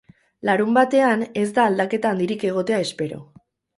Larunbatean, ez da aldaketa handirik egotea espero.